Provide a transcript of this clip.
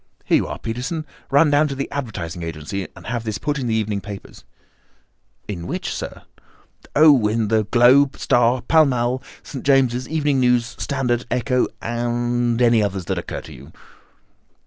Here you are, Peterson, run down to the advertising agency and have this put in the evening papers." "In which, sir?" "Oh, in the Globe, Star, Pall Mall, St. James's Gazette, Evening News, Standard, Echo, and any others that occur to you."